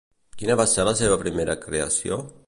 Quina va ser la seva primera creació?